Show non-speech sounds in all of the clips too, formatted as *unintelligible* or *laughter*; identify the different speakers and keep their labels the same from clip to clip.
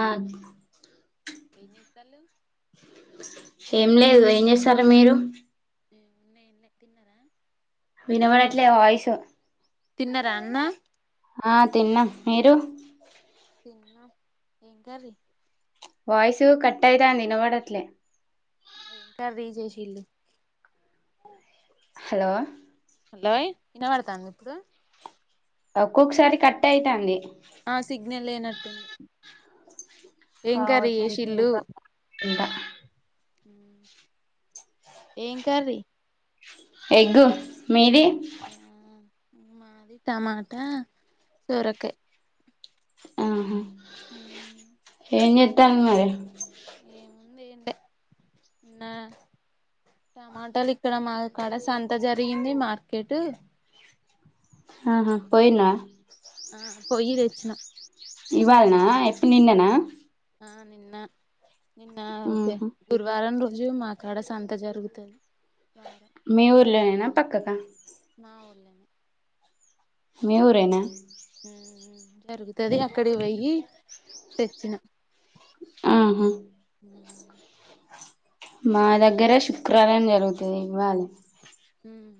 Speaker 1: ఆ అండి
Speaker 2: ఏం చేత్తాళ్ళు
Speaker 1: ఏం లేదు ఏం చేస్తారు మీరు
Speaker 2: ఏం నే లే తిన్నార
Speaker 1: వినబడాట్లే వాయిస్
Speaker 2: తిన్నార అన్నం
Speaker 1: ఆ తిన్నాం మీరు
Speaker 2: తిన్నాం ఏం కర్రీ
Speaker 1: చ్ వాయిస్ కట్ అయితాంది వినడట్లే
Speaker 2: ఏం కర్రీ చేసిల్లు
Speaker 1: హలో
Speaker 2: హలోయ్ వినబడతండా ఇప్పుడు
Speaker 1: ఒక్కొక్కసారి కట్ అయితాంది
Speaker 2: ఆ సిగ్నల్ లేనట్టుంది ఏం కర్రీ చేసిల్లు
Speaker 1: ఇంద *unintelligible*
Speaker 2: ఉమ్ ఏం కర్రీ
Speaker 1: ఎగు మీది
Speaker 2: మాది టమాట సొరకాయ్
Speaker 1: ఆహా ఏం జేతన్ మరే
Speaker 2: ఏం లే నిన్న టమాటాలు ఇక్కడ మా కడ సంత జరిగింది మార్కెటు
Speaker 1: ఆహా పోయినా
Speaker 2: పొయి దేచ్చిన
Speaker 1: ఇవల్ నా ఎప్పు నిన్ననా
Speaker 2: ఆ నిన్న నిన్న పె
Speaker 1: ఆహా
Speaker 2: గురువారం రో జు మా కాడ సంత జరుగుతది బా
Speaker 1: మీ ఊర్లోనేనా పక్కక
Speaker 2: మా ఊర్లోనే
Speaker 1: మీ ఊరేనా
Speaker 2: ఉమ్ ఉమ్ జరుగుతది అక్కడికి పోయి తెచ్చిన
Speaker 1: ఆహా
Speaker 2: ఉ
Speaker 1: మా దగ్గర శుక్రవారం జరుగుతుంది ఇవాలే
Speaker 2: హ్మ్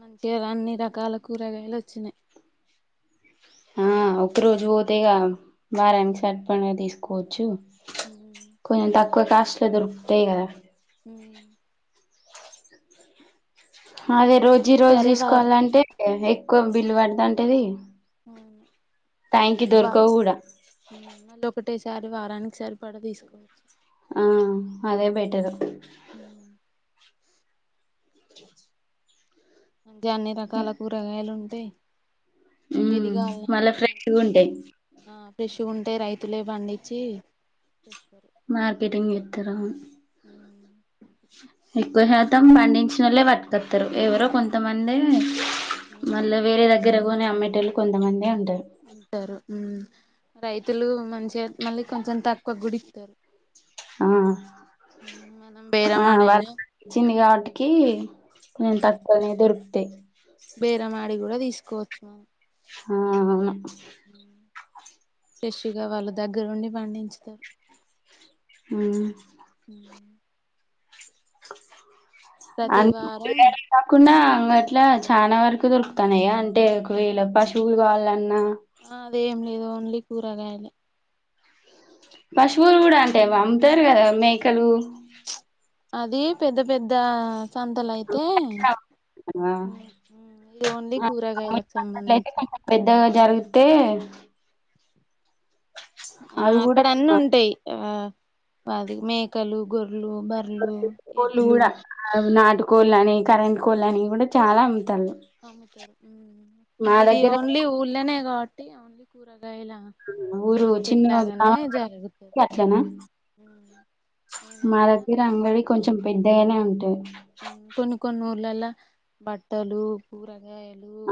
Speaker 2: మంచిగా అన్ని రకాల కూరగాయలు వచ్చినాయి
Speaker 1: ఆ ఒక రోజు పోతేగా బారా *unintelligible* ఈసర్ పండగ్ తీసు కోచు
Speaker 2: హ్మ్
Speaker 1: ఒక కాస్ట్లో దొరుకుతాయి కదా
Speaker 2: ఉమ్
Speaker 1: అదే
Speaker 2: అన్నీ
Speaker 1: రోజీ రోజ్
Speaker 2: ఒకసారే వారు
Speaker 1: తీసుకోవాలంటే ఎక్కువ బిల్లు పడదంటేది కయికి
Speaker 2: వా
Speaker 1: దొరక కూడాడా
Speaker 2: మళ్ళీ ఒకటేసారి వారానికిసారి పడ తీసుకోవచ్చు
Speaker 1: ఆ అదే బెటరు
Speaker 2: అంటే అన్ని రకాల కూరగాయలు ఉంటాయి
Speaker 1: ఉమ్
Speaker 2: ఎది
Speaker 1: మళ్ళా
Speaker 2: కావాలన్నా
Speaker 1: ఫ్రెష్గా
Speaker 2: మనం
Speaker 1: ఉంటాయి
Speaker 2: ఫెష్గా ఉ అంటే రైతులే పండించి
Speaker 1: మార్కెటింగ్ ఎతురా
Speaker 2: ఉ
Speaker 1: ఎక్కువ శాతం పండించిన వాళ్ళే పట్కొస్తారు ఎవరో కొంతమంది మళ్ల వేరే దగ్గర అమ్మటలు కొంతమంది ఉ
Speaker 2: ఉంటారు ఉ రైతులు మంచిగా మళ్ళీ కొంచెం తక్కువ గుడి ఇస్తారు
Speaker 1: ఆ
Speaker 2: మనం
Speaker 1: ఆ వాళ్ళ
Speaker 2: బేరమాడైనా
Speaker 1: ఇచ్చింది కాబటికి కొేను తక్కువనే దొరుకు ంట
Speaker 2: బేర మాడి కూడా తీసుకు కోచ్మ
Speaker 1: ఆ
Speaker 2: ఫ్రెష్గా వాళ్ళు దగ్గరుండి పండించుతారు
Speaker 1: హ్మ్
Speaker 2: ప్రతి వారం
Speaker 1: అనుకున్న మా ఇట్ల చాలా వరకు దొరుకుతాన్నాయా అంటే ఒక వేళ పశువులు కాలన్నా
Speaker 2: ఆ అదే ఏం లేదు ఓన్లీ కూరగాయాల
Speaker 1: పశువులు కూడా అంటే అమ్ముతారు కదా మేకలు
Speaker 2: అది పెద్ద పెద్ద సంతల అయితే
Speaker 1: అమ్ముతారు కదా.
Speaker 2: తే ఇది ఓన్లీ కూరగాయలకు
Speaker 1: ఆ అట్లయితే
Speaker 2: సంబంధించి
Speaker 1: కొంచెం పెద్దగా జరిగితే
Speaker 2: ఆ
Speaker 1: అవి కూడా
Speaker 2: అక్కడ అన్ని
Speaker 1: ఆ,
Speaker 2: ఉంటాయి ఆ పది మేకలు గొర్రె లు బర్లు బర్లు ఎడ్లు
Speaker 1: కోళ్లనీ కరెంట్ కోళ్లనీ కూడా చాలా అమ్ముతారు
Speaker 2: అమ్ముతారు ఊ
Speaker 1: మా
Speaker 2: ఇది
Speaker 1: దగ్గర
Speaker 2: ఓన్లీ ఊల్లనే కాబట్టి ఆన్లీ కూరల్ ఇలా
Speaker 1: ఊరు
Speaker 2: మార్కెట్
Speaker 1: చిన్న
Speaker 2: లాగానే జరుగుతంది
Speaker 1: గ్రామం
Speaker 2: ఊ
Speaker 1: అట్లనా
Speaker 2: ఊ
Speaker 1: మా
Speaker 2: ఏమైనా
Speaker 1: దగ్గర అంగడి
Speaker 2: బట్టలు
Speaker 1: కొంచెం పెద్దగానే ఉంటది
Speaker 2: కొన్ని కొన్ని ఊర్లలా బట్టలు పూరాద్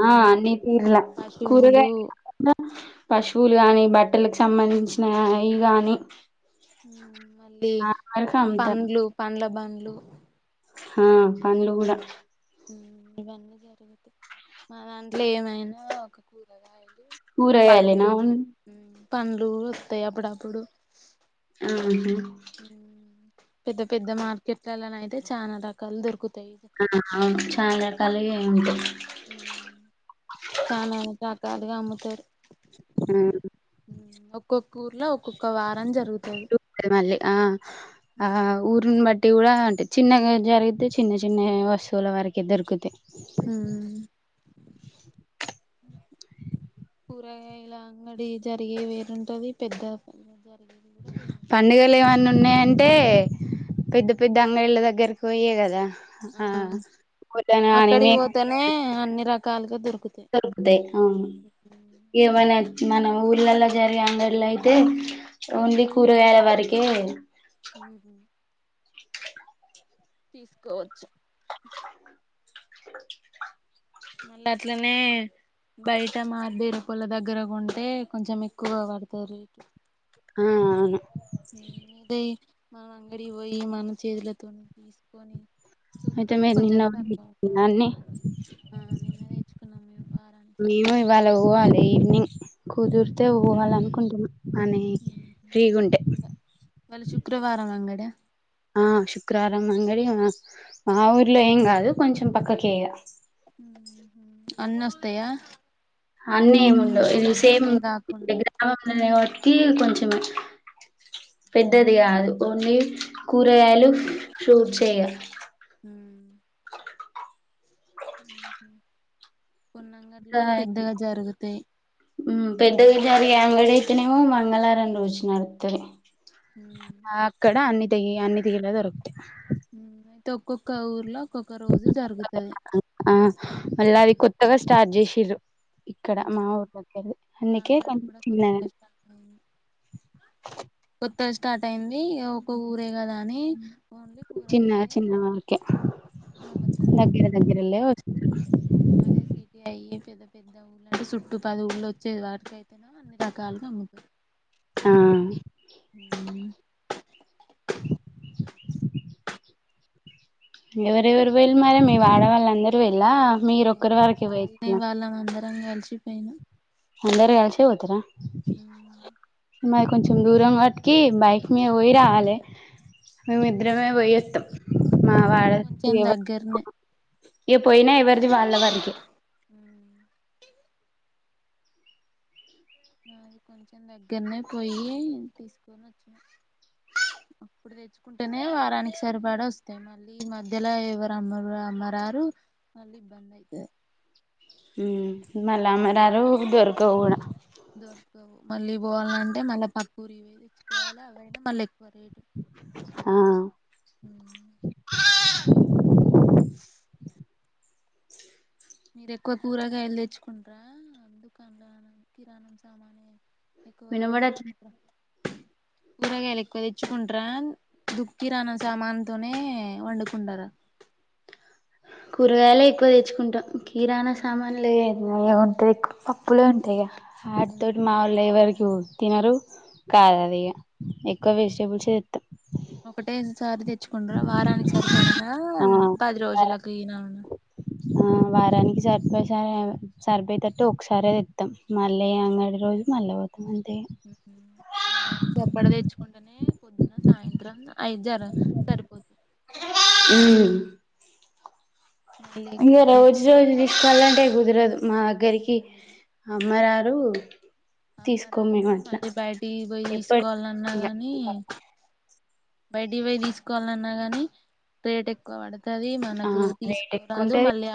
Speaker 1: ఆ అన్నీ తీర్ల
Speaker 2: పశువులు
Speaker 1: కూరగాయలు *unintelligible* పశువులు కాని బట్టలకు సంబంధించిన అయి గాని
Speaker 2: ఊ మళ్ళీ
Speaker 1: ఆ వరకు అమ్ముతారు
Speaker 2: పండ్లు పండ్ల బం లు
Speaker 1: ఆ పండ్లు కూడా
Speaker 2: ఊ ఇవన్నీ జరుగుతాయి మా దాంట్లో ఏమైనా ఒక కూరగాయలు
Speaker 1: కూరగాయలేనా
Speaker 2: పండ్లు
Speaker 1: ఓన్లీ
Speaker 2: ఉమ్ పండ్లు గు వస్తాయి అప్పుడప్పుడు
Speaker 1: అహా
Speaker 2: ఊ పెద్ద పెద్ద మార్కెట్లలో అయితే చానా రకాలు దొరుకు
Speaker 1: ఆహా ఆ అవును చాలా రకాలుగా ఉంటాయి
Speaker 2: ఊ చానా రకాల్ గాడిద అమ్ముతరు
Speaker 1: ఆ
Speaker 2: ఊ ఒక్కొ ఊర్లో ఒక్కొక్క వారం జరుగు
Speaker 1: *unintelligible* మళ్ళీ ఆ ఆ
Speaker 2: ఉమ్
Speaker 1: ఊరు న్ని బట్టి కూడా అంటే చిన్నగా జరిగితే చిన్న చిన్న వస్తువుల వరకె దొరుకుతాయి
Speaker 2: ఊ కూరగాయాలా అంగడి జరిగే వేరుంటది పెద్ద *inaudible* వేరుంటది
Speaker 1: పండుగలు ఏమన్నా ఉన్నాయంటే పెద్ద పెద్ద అంగళ్ళ దగ్గరకి పోయే కదా ఆ ఆ వద్దన్నగాని మే
Speaker 2: కాలు గా దోర్
Speaker 1: దొరుకుతాయి అవును ఏం అన్న మన ఊళ్ళలో జరిగే అంగల్లో అయితే ఓన్లీ కూరగాయాల వరి ఏ
Speaker 2: ఊహు తీసుకోవచ్చు మళ్ళీ అట్లనే బయట మా బేలు పల దగ్గర కొంటే కొంచెం ఎక్కువ పడతది రేట్
Speaker 1: ఆ అవును
Speaker 2: ఊ ఏది మనం అంగడి పోయి మన చేతులతో తీసుకొని
Speaker 1: అయితే
Speaker 2: చూస్తే
Speaker 1: మీరు
Speaker 2: కొంచెం
Speaker 1: నిన్న
Speaker 2: తక్కువ ఆ నిన్న తెచ్చుకున్నాం మేము
Speaker 1: *unintelligible*
Speaker 2: వారానికి
Speaker 1: మేము
Speaker 2: సరిపడా
Speaker 1: ఇవాళ పోవాలి ఈవినింగ్ కుదిరితే పోవాల అనుకుంటున్నా అని ఫ్రీగా ఉంటే
Speaker 2: ఇవాళ శుక్రవారం అంగడా
Speaker 1: ఆ శుక్రవారం అంగడి మా ఊర్లో ఏం కాదు కొంచెం పక్కకే ఇగ
Speaker 2: ఉహు అన్ని వస్తాయా
Speaker 1: అన్నీ
Speaker 2: ఒక
Speaker 1: ఏముండవు ఇది సేమ్
Speaker 2: కూరగాయలే కాకుండా
Speaker 1: గ్రామంలో కే కొంచమే పెద్దది కాదు ఓన్లీ కూరగాయాలు ఫ్రూట్స్ తే ఇగ
Speaker 2: ఉహు
Speaker 1: కా హు పెద్దగా జరిగే అంగడి అయితేనేమో మంగళవారం రోజు నడుపుతారు అక్కడ అన్ని తీ అన్ని తీలే దొరుకు
Speaker 2: తో ఒక్కొక్క ఊర్లో ఒక్కొక్క రోజు జరుగుతది
Speaker 1: ఆ మళ్ళ అది
Speaker 2: ఉమ్,
Speaker 1: కొత్తగా స్టార్ చేస్ టిరు ఇక్కడ మా
Speaker 2: ఉమ్.
Speaker 1: ఊరు దగ్గరే
Speaker 2: మా
Speaker 1: అందుకే
Speaker 2: కాడ
Speaker 1: కొంచెం
Speaker 2: కూడా
Speaker 1: చిన్న
Speaker 2: కొత్తగా
Speaker 1: అంగడి
Speaker 2: స్టార్ట్ అయింది స్టార్ట్ అయింది ఒక ఊరే కదా అని ఓన్లీ
Speaker 1: చిన్నగా చిన్నగా ఓకే
Speaker 2: ఆమ *unintelligible* ఉ అదే సిటీ అయి ఏ పెద్ద పెద్ద ఊళ్ళ అంటే చుట్టూ పది ఊర్లు వచ్చే వాటికైతే ఆ అన్ని రకాలుగా అమ్ముతా
Speaker 1: ఆ
Speaker 2: హు
Speaker 1: ఎవరెవరు
Speaker 2: తీరు
Speaker 1: వెళ్ళి మర మీ ఆడవాళ్ళ అందరూ వెళ్ళా మీరు ఒక్కరు వరకే పోయేచ్చిన
Speaker 2: అ అలిసిపోయిన
Speaker 1: అందరు కలసి పోతార
Speaker 2: ఉమ్,
Speaker 1: మరి కొంచెం దూరం కాబట్టి కి బైక్ మీద పోయి రావాలి
Speaker 2: ఉమ్,
Speaker 1: మేమిద్దరమే పోయేస్తాం మా
Speaker 2: మాది
Speaker 1: వాడు
Speaker 2: కొంచెం
Speaker 1: ఇంకెవరు
Speaker 2: దగ్గరనే
Speaker 1: ఏ పోయినా ఎవరు ది వాళ్ళ వరికే
Speaker 2: ఉమ్. అది కొంచెం దగ్గరనే పోయి తీసుకొని వచ్చినా అప్పుడు తెచ్చుకుంటేనే వారానికి సరిపడా వస్తాయి మళ్ళీ ఈ మధ్యలో ఎవరు అమ్మరు అమ్మరారు మళ్ళీ ఇబ్బంది అయితది
Speaker 1: ఊ మల్ల అమ్మరారు దొర గౌవుణ
Speaker 2: దొరకవు మళ్ళీ పోవాలంటే మళ్ళీ పక్కకుూరు ఇవే తెచ్చుకోవాలి అవైనా మళ్ళీక్వ ఎక్కువ రేట్
Speaker 1: ఆ
Speaker 2: మీరు ఎక్కువ కూరగాయలు తెచ్చుకుంటార దుకాన్ కిరాణం సామాన్ ఎక్కువగా
Speaker 1: వినబడట్లే
Speaker 2: పండుపో కూరగాయలు ఎక్కువ తెచ్చుకుంటార దుక్కిరాన సామాన్తోనే వండుకుంటారా
Speaker 1: కూరగాయలు ఎక్కువ తెచ్చుకుంటాం కిరాణ సామాన్ లే ఇ ఉంటే పప్పుూలే ఉంటాయి గా హార్ట్
Speaker 2: ఉ
Speaker 1: తోటి మాములు ఎవరకు తినరు కాద్ ఆది ఈగ
Speaker 2: ఉ
Speaker 1: ఎక్కువ వెజిటబుల్స్ే తేతా
Speaker 2: సారీ తే చుకుంటారు వారానికి సరిపడనా
Speaker 1: ఆ
Speaker 2: పది
Speaker 1: వార
Speaker 2: రోజులలకు ఈన
Speaker 1: ఆ వారానికి సరిపో సరిపోయటట్టు ఒకసారిే తెస్తాం మళ్ళీ అంగడి రోజు మళ్ళీ పోతాం అంతే ఇగ
Speaker 2: వారాన్ని సరిపడా తెచ్చుకుంటేనే పొద్దున సాయంత్రం అఐదు జర సరిపోతు
Speaker 1: ఇంకా రోజు రోజు
Speaker 2: తెచ్చుకుంటే
Speaker 1: తీసుకవళ్ాలంటే కుదరదు మా దగ్గరికి అమరా రు
Speaker 2: అమ్మరారు మళ్ళీ బయటికి పోయి
Speaker 1: ఎప్పటి
Speaker 2: తీసుకోవాల అన్నా గానీ బయటి పోయి తీసుకోవాల అన్నా గాని రేట్ ఎక్కువ పడ్ వది
Speaker 1: ఆ
Speaker 2: మనకు
Speaker 1: రేట్ ఎక్కువ
Speaker 2: తీసుకోరాదు
Speaker 1: ఉంటది
Speaker 2: మళ్ళీ